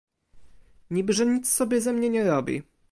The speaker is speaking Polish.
"Niby że nic sobie ze mnie nie robi."